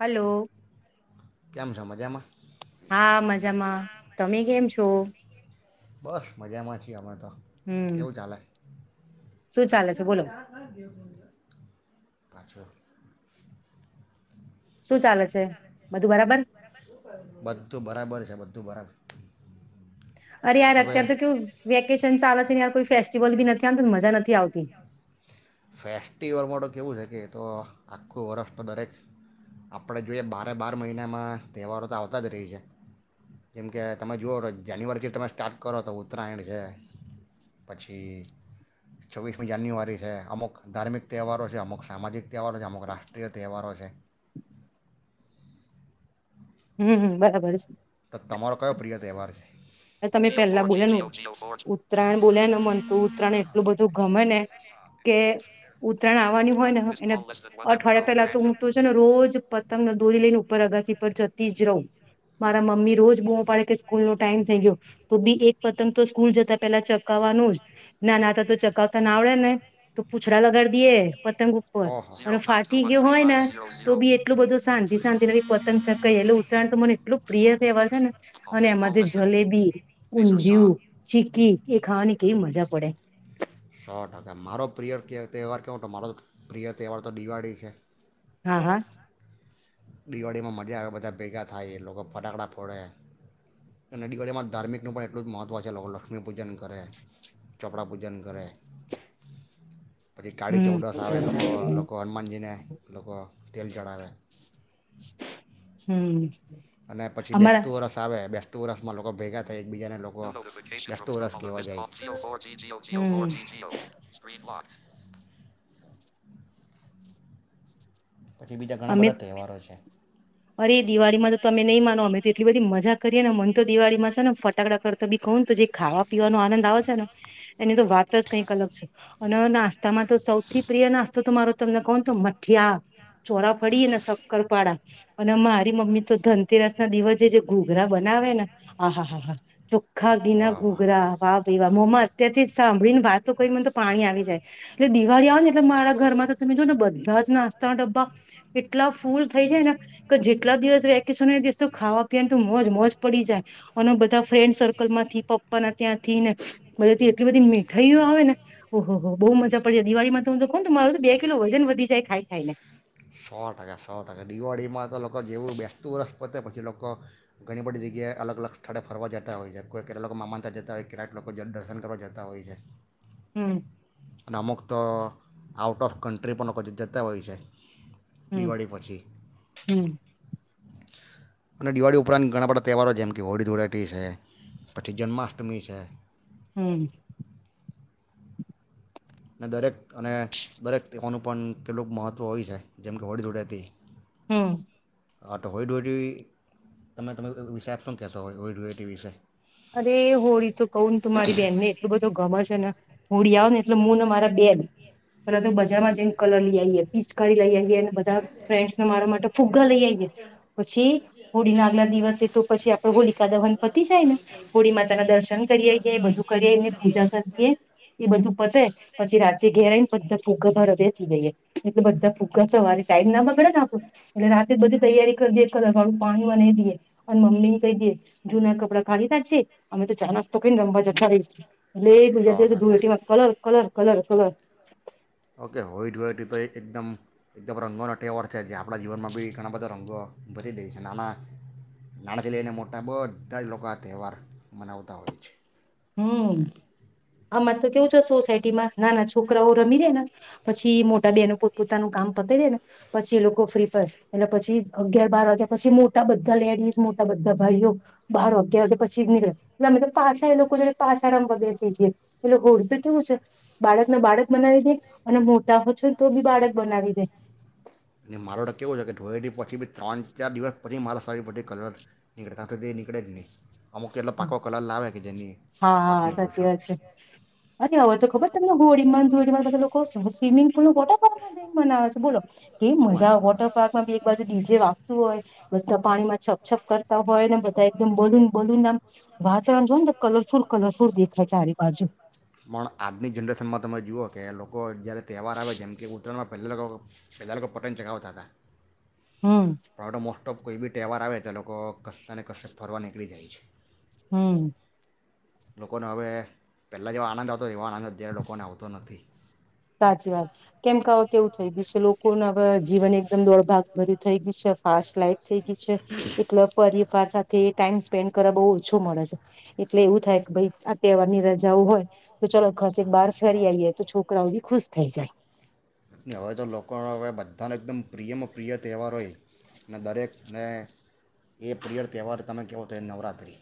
Hello! કેમ મજામાં? હા, મજામાં. તમે કેમ છો? બસ, મજામાં છીએ, અમે તો! હમ કેવું ચાલે? શું ચાલે છે કેમ, બોલો ચાહત ન ગયો મુન્દ્રા? પાછો શું ચાલે છે બધું બરાબર બધું બરાબર છે બધું બધું બરાબર અરે યાર હવે અત્યાર તો કેવું વેકેશન ચાલે છે યાર કોઈ ફેસ્ટિવલ બી નથી આમતોને મજા નથી આવતી ફેસ્ટિવલમાં તો કેવું છે કે એ તો આખું વર્ષ તો દરેક આપણે જોઈએ બારે બાર મહિનામાં તહેવારો તો આવતા જ રહી છે જેમકે તમે જુઓ જાન્યુઆરીથી તમે સ્ટાર્ટ કરો તો ઉત્તરાયણ છે પછી છવ્વીસમી જાન્યુઆરી છે અમુક ધાર્મિક તહેવારો છે અમુક સામાજિક તહેવારો છે અમુક રાષ્ટ્રીય તહેવારો છે હમ બરાબર છે તો તમારો કયો પ્રિય તહેવાર છે તમે પેલા બોલ્યા ને ઉત્તરાયણ બોલ્યા ને મન તો ઉત્તરાયણ એટલું બધું ગમે ને કે ઉત્તરાયણ આવવાનું હોય ને એને અઠવાડિયા પેલા તો હું તો છે ને રોજ પતંગને દોરી લઈને ઉપર અગાસી પર જતી જ રહવું મારા મમ્મી રોજ બમો પાડે કે સ્કૂલ નો થઈ ગયો તો બી એક પતંગ તો સ્કૂલ જતા પેલા ચકાવવાનું જ નાના હતા તો ચકાવતા ના આવડે ને તો પૂછડા લગાડી દઈએે પતંગ ઉપર ઓહો અને ફાટી ગયો હોય ને તો બી એટલું બધું શાંતિ શાંતિ બી પતંગ ચગાઈએં ઉચતરાયણ તો મને એટલું પ્રિય તે એવા છે ને અને એમાંથી જલેબી ઊંધિયું ચીકી એ ખાવાની કેવી મજા પડે સો ટકા મારો પ્રિય ક તહેવાર કેવો તો મારો પ્રિય તહેવાર તો દિવાળી છે હા હા દિવાળીમાં મજા આવે બધા ભેગા થાય એ લોકો ફટાકડા ફોડે અને નદીકડીયામાં ધાર્મિકનું પણ એટલું જ મહત્ત્વ છે લોકો લક્ષ્મી પૂજન કરે ચોપડા પૂજન કરે પછી કાળી હમ ચૌડસ આવે લોકો લોકો હનુમાનજીને લોકો તેલ ચઢાવે હમ અને પછી અમારા બેસતું વરસ આવે બેસતું વર્ષ માં લોકો ભેગા થાય એક બીજાને બેસતું વર્ષ કેવા જાય હમ [unintelligible] પછી બીજા ઘણા અમે બધા તહેવારો છે અરે દિવાળીમાં તો તમે નહી માનો અમે તો એટલી બધી મજા કરીએ ને મને તો દિવાળીમાં છે ને ફટાકડા કરતા બી કહ તો જે ખાવા પીવાનો આનંદ આવે છે ને એની તો વાત જ કંઈક અલગ છે નાસ્તામાં તો સૌથી પ્રિય નાસ્તો તો મારો તમને કોણ તો મઠિયા છોડાફરીએે ને શક્કરપાડાા અને મારી મમ્મી તો ધનતેરાસ ના દિવસે જે ઘોઘરા બનાવે ને આહા હા હા ખાાગી ના વાહ વાહ વાહ ઘૂઘરા વા ભી વા મમ્મા અત્યથી સાંભળીને વાત તો કરી મને તો પાણી આવી જાય એટલે દિવાળી આવે ને એટલે મારા ઘરમાં તો તમે જો ને બધા જ નાસ્તાના ડબ્બા એટલા ફૂલ થઈ જાયને કે જેટલા દિવસ વેકેશન દિવસ તો ખાવા પીવાની તો મોજ મોજ પડી જાય અને બધા ફ્રેન્ડસ અકલ માંથી પપ્પાના ત્યાં થી ને બધાથી એટલી બધી મીઠાઈઓ આવે ને ઓહો હો બહુ મજા પડી જાય દિવાળીમાં તો હું તો કહ મારું બે કિલો વજન વધી જાય ખાય ખાય ને સો ટકા સો ટકા દિવાળીમાં તો લોકો જેવું બેસતું વર્ષ પતે પછી લોકો ઘણી બધી જગ્યાએ અલગ અલગ સ્થળે ફરવા જાય હોય છે કોઈ કેટલા લોકો મામાને તયા જતા હોય કેટલા લોકો દર્શન કરવા જતા હોય છે હમ અને અમુક તો આઉટ ઓફ કન્ટ્રી પણ લોકો જતા હોય છે હમ દિવાળી પછી હમ અને દિવાળી ઉપરાંત ઘણા બધા તહેવારો જેમ કે હોળી ધુળટી છે પછી જન્માષ્ટમી છે હમ અને દરેક અને દરેક તેવાનું પણ કેટલુંક મહત્ત્વ હોય છે જેમ કે હોળી જોળે હતી હમ હા તો હોયડોયટીવી તમે તમે વિશે આપ શું કહેશો હોય હોળડોયટી વિશે અરે હોળી તો કહું ને તું મારી બેહેનને એટલું બધું ગમે છે ને હોડી આવ ને એટલે મુું ને મારા બેગ પર તો બજારમાં જેને કલર લઈ આવીએ પીચ કરી લઈ આવીએ બધા ફ્રેન્ડસને મારા માટે ફુગ્ગા લઈ આવીઈએ પછી હોળી ના આગલા દિવસે તો પછી આપડે હોલિકા દ વન પતી જાય ને હોળી માતા ના દર્શન કરીએએ એ બધું કરીને પૂજા કરીએ એ બધું પતે પછી રાત્ર ઘેરે આવીને બધા ફુગ્ગા ભ બેસી જઈએ એટલે બધા ફુગ્ગા સવારે સાઈડ ના બગડે આપડું એટલે રાતે બધી તૈયારી કરી દેએ કલરડું પાણીમાં નહી દઈએ અને મમ્મી ને કહી દેએ જૂના કપડા અમે તો ચા નાસ્તો કઈ રંવા જ એટલે સો બીજા ધૂ ટકા એટીમાં colour colour colour colour okay હોયટી હોયટી તો એકદમ એકદમ રંગોનો તહેવાર છે જે આપણા જીવનમાં બી ઘણા બધા રંગો ભરી દે છે નાના નાણાકી લઈને મોટા બધા જ લોકો આ તહેવાર મનાવતા હોય છે હમ અમારે તો કેવું છે સોસાયટીમાં નાના છોકરાઓ રમી જાય ને પછી મોટા દેનો પોતાનું કામ પતા જે ને પછી એ લોકો ફ્રી પ એલે પછી અગિયાર બાર વાગ્યા પછી મોટા બધા લેડીસ મોટા બધા ભાઈઓ બાર અગિયાર વાગે પછી નીળે એ તો પાછા એ લોકો લોકોને પાછામ વધે થ જ એટલે હોડ તો કેવું છે બાળકને બાળક બનાવી દે અને મોટા હો છો તો બી બાળક બનાવી દે અને મારો તો કેવું છે કે ઢોઈ પછી બી ત્રણ ચાર દિવસ પછી મારો સરી બધી કલર નીકળે ત તો તે એ નીકળે જ નહીં અમુક એટલો પાકો કલર લાવે કે જેની વાત હા નહીં સાચી પૂછો વાત છે અરે હવે તો ખબર તમને હોળીમાં ધોળીમાં બધા લોકો સ્વિમિંગ બટા મના આવે છે બોલો કે શું વાત મજા કરો વોટર પાર્કમાં બી એક બાજુ ડીજે વાગતું હોય બધા પાણીમાં છપછપ કરતા હોય ને બધા એકદમ બલુન બલુન આમ વાતાવરણ જો ને તો કલરફુલ કલરફુલ દેખાય ચારે બાજુ પણ આજની જનરેશનમાં તમે જુઓ કે લોકો જયારે તહેવાર આવે જેમ કે ઉતરમાં પહેલા પહેલા કોટન જગાવતા હતા હમ ટોપ કોઈ બી તહેવાર આવે તો લોકો કશતા ને કશ ફરવા નીકળી જાય છે હમ લોકોનો હવે પહેલા જેવાો આનંદ આવતો એ આંદ અત્યારે લોકોને આવતો નથી સાચી વાત કેમ કેવા કેવું થઈ ગયું છે લોકો ના જીવન એકદમ દોડભાગ ભર્યું થઈ ગક હારસ લાઈક થઈ ગઈ છે એટલે પરિવાર સાથે ટાઈમ સ્પેન્ડ કર બહુ ઓછું મળે છે એટલે એવું થાય કે ભાઈ આ તહેવાર ની રજાઓ હોય તો ચાલ ઘ બાર ફેરી આવીઈએે તો છોક છોકરાઓ બી ખુશ થઈ જાય હવે તો લોકો હવે બધાનો એકદમ પ્રિયમાં પ્રિય તહેવાર હોય અને દરેકને એ પ્રિય તહેવાર તમે કહેહો તો એ નવરાત્રિ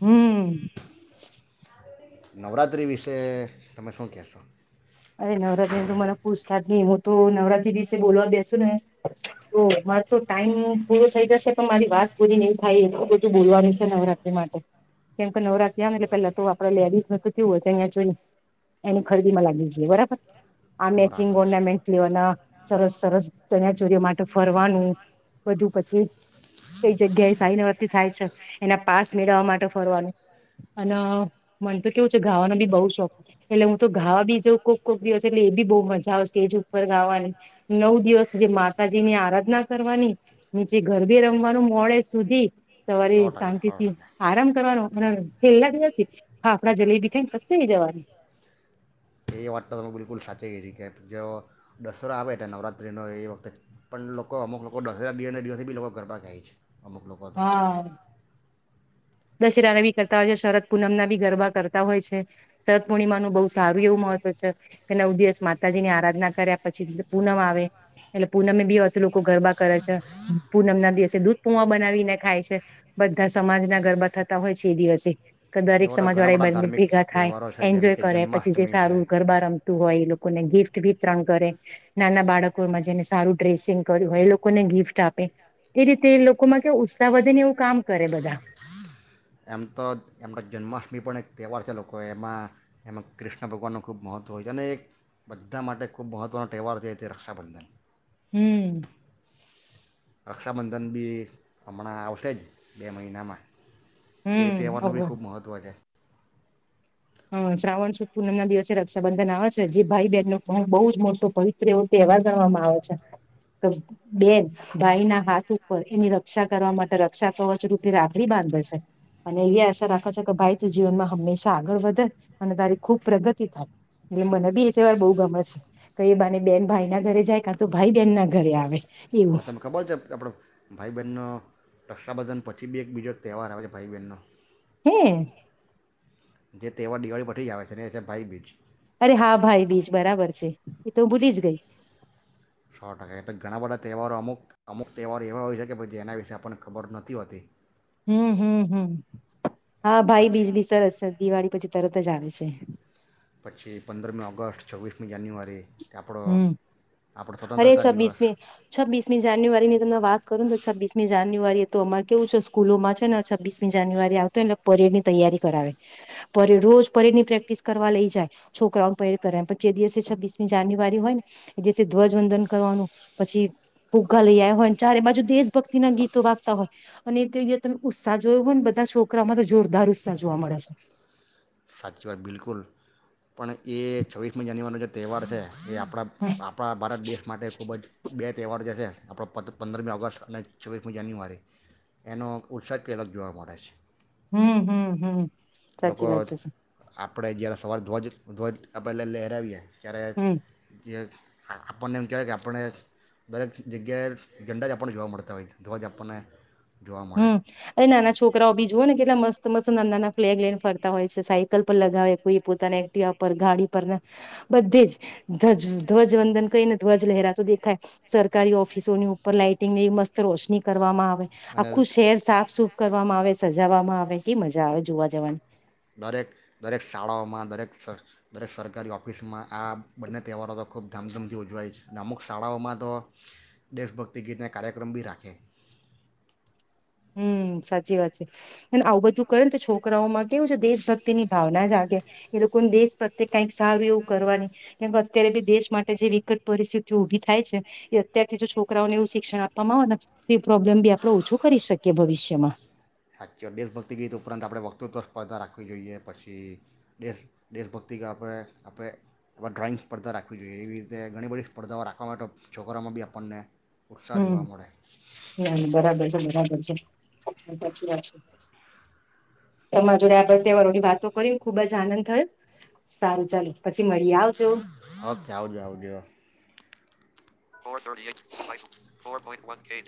હમ નવરાત્રી વિશે તમે શું કહેશો અરે નવરાત્રીની તો મને પૂછતા જ નહી હું તો નવરાત્રી વિશે બોલવા બેસુ ને તો મારે તો ટાઈમ પૂરો થઈ જશે પણ મારી વાત પૂરી નઈ થાય એ બધું બોલવાનું છે નવરાત્રી માટે કેમકે નવરાત્રી આવે ને એટલે પેલા તો આપડા લેડીઝ ન તો થયું હોય છે અહીંયા જોઈ ને એની ખરીદી માં લાગી એ બરાબ આ મેચિંગ બરાબર છે ઓર્નામેન્ટ લેવાના સરસ સરસ ચરિયાચોરીઓ માટે ફરવાનું બધું પછી કઈ જગ્યાએ સાઈનવથી થાય છે એના પાસ મેળવવા માટે ફરવાનું અને મન તો કેવું છે ગાવાનો બી બઉ શોખ એટલે હું તો ગાવા બી જો કોક કોકી એ બ બહ મજા આવે સ્ટેજ ઉપર ગાવાની નવ દિવસ જે માતાજી ની આરાધના કરવાની નીચે ઘર બી રમવાનું મોડે સુધી સવારે સો શાંતિ ટકા સો થી ટકા આરામ કરવાનું અને છેલ્લા દિવસે હા આપડા જલેબી કઈ કસે નઈ જવાનું એ વાત તો બિલકુલ સાચી છ છે કે જે દસરો આવે ત નવરાત્રિનો એ વખતે પણ લોકો અમુક લોકો દસરા બેડીને દિવસેથી બી લોકો ગરબા કહેાય છે અમુક લોકો તો હા દશેરાી કરતા હોય છે શરદ પૂનમ ના ભી ગરબા કરતા હોય છે શરદ પૂર્ણિમાનુંું બહ સારું એવું મહત્વ છે કે નવ દિવસ માતાજીની આરાધના કર્યા પછી પૂનમ આવે એટલે પૂનમે બી વધુ લોકો ગરબા કરે છે પૂનમ ના દિવસે દૂધ પૂવા બનાવીને ખાય છે બધા સમાજ ના ગરબા થતા હોય છે એ દિવસે કે દરેક એવા તો સમાજ ઘણા વાળા એ બધા બને ધાર્મિક ભેગા થાય તહેવારો છે જેમ એન્જોય કે કરે પછી જે જન્માષ્ટમી છે સારું ગરબા રમતું હોય એ લોકોને ગિફ્ટ વિતરણ કરે નાના બાળકોમાં જેને સારું ડ્રેસિંગ કર્યું હોય એ લોકોને ગિફ્ટ આપે એ રીતે લોકોમાં કે ઉત્સાહ વધે ને એવું કામ કરે બધા એમ તો એમનો જન્માષ્ટમી પણ એક તહેવાર છે લોકો એમાં એમાં કૃષ્ણ ભગવાનનું ખૂબ મહત્ત્વ હોય છે અને એક બધા માટે ખૂબ મહત્ત્વનો તહેવાર છે રક્ષાબંધન હમ રક્ષાબંધન બી હમણાં આવશે જ બે મહિનામાં તે હમ તહેવારનું બી ઓગણ ખૂબ મહત્ત્વ છે હ શ્રાવણ સુદ પૂનમ ના દિવસે રક્ષાબંધન આવે છે જે ભાઈ બહેન ન બહુ જ મોટો પવિત્ર તે એવા ગણવામાં આવે છે કે બેન ભાઈ ના હાથ ઉપર એની રક્ષા કરવા માટે રક્ષા કવચ રૂપી રાખડી બાંધે છે અને એવી આશા રાખે છે કે ભાઈ તું જીવનમાં હંમેશા આગળ વધે અને તારી ખુબ પ્રગતિ થાય એટલે મને બી એ તહેવાર બહુ ગમેત છે કે એ બાને બેન ભાઈ ના ઘરે જાય કારણ તો ભાઈ બેન ના ઘરે આવે અને એવું તમને ખબર છે આપણો ભાઈ બહેનનો રક્ષાબંધન પછી બી એકબીજો એક તહેવાર આવે છે ભાઈ બહેનનો હમ જે તહેવાર દિવાળી પી જ આવે છે ને એ છે ભાઈ બીચ અરે હા ભાઈ બીચ બરાબર છે એ તો હું ભૂલી જ ગઈ સો ટકા એટલે ઘણા બધા તહેવારો અમુક અમુક તહેવારો એવા હોય શકે જે એના વિશેે આપણને ખબર નથી હોતી હમ હમ હમ હા ભાઈ પછી બીજ બી સરસ છે દિવાળી પછી તરત જ આવે છે પછી પંદરમી ઓગસ્ટ છવ્વીસમી જાન્યુઆરી આપણો હમ આપણો અરે સ્વતંત્રતા દિવસ છ્વીીસમી છવ્વીસમી જાન્યુઆરીની તમમે વાત કરું ને તો છવ્વીીસમી જાન જાન્યુઆરી તો અમારે કેવું છે સ્કૂલોમાં છે ને છવ્ીસમી જાન્યુઆરી આવતો એટલે પરેડ ની તૈયારી કરાવે પરેડ રોજ પરેડ ની પ્રેક્ટિસ કરવા લઈ જાય છોકરાઓને પરેડ કરે પણ જે દિવસે છ્ીસમી જાન્યુઆરી હોય ને, જેથી ધ્વજવંદન કરવાનું, પછી ભોગા લઈ આવ્યા હોય ને ચારે બાજુ દેશ ભક્તિ ના ગીતો વાગતા હોય, અને તમે ઉત્સાહ જોયો હોય ને બધા છોકરામાં તો જોરદાર ઉત્સાહ જોવા મળે છે. સાચી વાત બિલકુલ, પણ એ છવ્વીસમી જાન્યુઆરીનો જે તહેવાર છે. એ આપણા આપણા ભારત દેશ માટે ખૂબ જ બેસ્ટ તહેવાર જે છે આપણો પ પંદરમી ઓગસ્ટ અને છવ્વીસમી જાન્યુઆરી, એનો ઉત્સાહ કે અલગ જોવા મળે છે. હમ હમ હમ લોકો સાચી વાત છે. આપણે જ્યારે સવારે ધ્વજ ધ્વજ આપેલા લહેરાવીએ. ચ્યારે હમ જે આપણને એમ કહેવાય કે આપને દરેક જગ્યાએ જઝંડા જ આપણને જોવા મળતા હોય ધ્વજ આપણને. જોવા મળે હમ એ નાના છોકરાઓ બી જુઓ ને કેટલા મસ્ત મસ્ત નાંદ ના ફ્લેગ લઈન ફરતા હોય છે સાયકલ પર લગાવે કોઈ પોતાના એક્ટવા પર ગાડી પર ને. બધી જ ધ્વજ ધ્વજવંદન કહીને ધ્વજ લહેરા તો દેખાય, સરકારી ઓફિસોની ઉપર લાાઈટિંગની મસ્ત રોશની કરવામાં આવે. અને [unintelligible] ખૂ શેર સાફ સુફ કરવામાં આવે છે. સજાવામાં આવે કે મજા આવે જોવા જવાની. દરેક દરેક શાળાઓમાં દરેક દરેક સરકારી ઓફિસમાં આ બંને તહેવારો તો ખૂબ ધામધમથી ઉજવાય છે અને અમુક શાળાઓમાં તો, દેશભક્તિ ગીતને કાર્યક્રમ બી રાખે. હમ સાચી વાત છે, અને આવું બધું કરે ને તો છોકરાઓ માં કેવું છે દેશ ભક્તિ ની ભાવના ના જાગે, એ લોકોને દેશ પ્રત્યે કઈક સારું એવું કરવા ની, કે અત્યારે બી દેશ માટે જે વિકટ પરિસ્થિતિ ઉભી થાય છે, એ અત્યારથી જો છોકરાઓને એવું શિક્ષણ આપવામાં આવે ને એ પ્રોબ્મ બી આપડો ઓછ કરી શકીએ. કે ભવષ્યમાં. સાચી દેશભક્તિ ગીત ઉપરાંત આપણે વક્તૃત્વ સ્પર્ધા રાખવી જોઈએ પછી, દેશ દેશભક્તિ ગીત આપણે આપણે ડ્રોઈંગ સ્પર્ધા રાખવી જોઈએ એવી રીતે ઘણી બધી સ્પર્ધાઓ રાખવા માટે છોકરાઓમાં બી આપણને ઉત્સાહ હમ જોવા મળે ના બરાબર. સા વાત, તમારા જોડે આ તહેવારોની વાતો કરી ખુબ જ આનંદ થયો, સારું ચાલ ઓકે આવજો આવજો. ફોડીએ ફ [unintelligible] વકે [unintelligible]